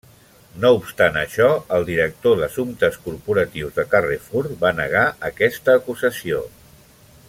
No obstant això, el Director d'Assumptes Corporatius de Carrefour va negar aquesta acusació.